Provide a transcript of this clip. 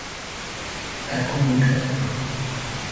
এখন উঠে পড়ো।